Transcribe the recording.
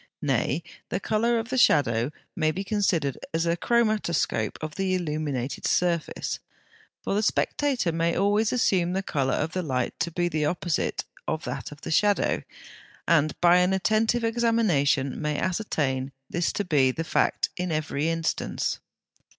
Nay, the colour of the shadow may be considered as a chromatoscope of the illumined surface, for the spectator may always assume the colour of the light to be the opposite of that of the shadow, and by an attentive examination may ascertain this to be the fact in every instance.